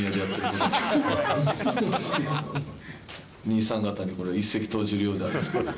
兄さん方にこれ一石投じるようであれですけど。